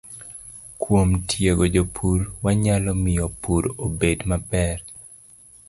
Kuom tiego jopur, wanyalo miyo pur obed maber